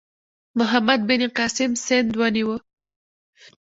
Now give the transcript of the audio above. محمد بن قاسم سند ونیو.